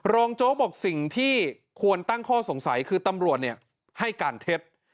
โจ๊กบอกสิ่งที่ควรตั้งข้อสงสัยคือตำรวจให้การเท็จ